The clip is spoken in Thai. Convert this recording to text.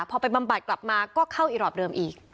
พอไปบำบัดกลับมาก็เข้าอีรอบเดิมอีก